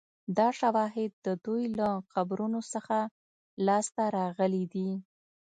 دا شواهد د دوی له قبرونو څخه لاسته راغلي دي